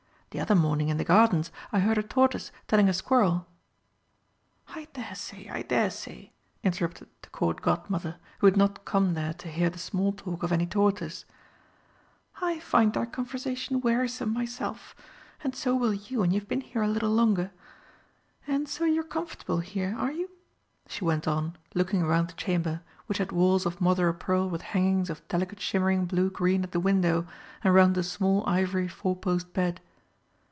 The other morning in the Gardens I heard a tortoise telling a squirrel " "I daresay, I daresay," interrupted the Court Godmother, who had not come there to hear the small talk of any tortoise; "I find their conversation wearisome myself and so will you when you've been here a little longer. And so you're comfortable here, are you?" she went on, looking round the chamber, which had walls of mother o' pearl with hangings of delicate shimmering blue green at the window and round the small ivory four post bed.